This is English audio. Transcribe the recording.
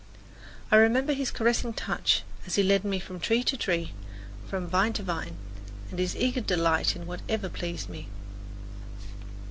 I remember his caressing touch as he led me from tree to tree, from vine to vine, and his eager delight in whatever pleased me.